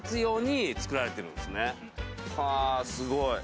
はぁすごい。